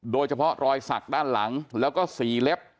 โดยเฉพาะรอยสักด้านหลังแล้วก็สีเล็บ